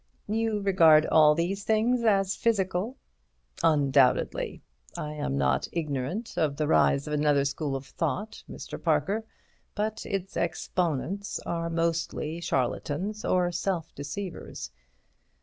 "You regard all these things as physical?" "Undoubtedly. I am not ignorant of the rise of another school of thought, Mr. Parker, but its exponents are mostly charlatans or self deceivers.